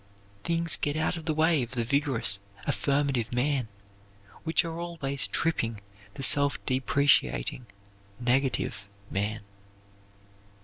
Things get out of the way of the vigorous, affirmative man, which are always tripping the self depreciating, negative man.